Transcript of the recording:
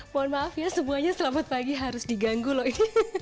mohon maaf ya semuanya selamat pagi harus diganggu loh ini